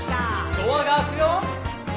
「ドアが開くよ」